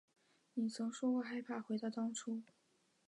你曾说过害怕回到当初